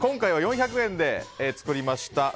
今回は４００円で作りました。